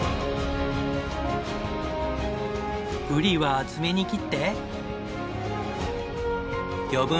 ブリは厚めに切って。